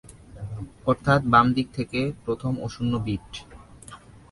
অর্থাৎ বাম দিক থেকে প্রথম অশূন্য বিট।